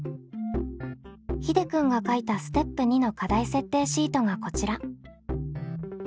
ひでくんが書いたステップ２の課題設定シートがこちら。